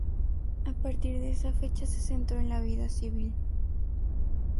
A partir de esa fecha se centró en la vida civil.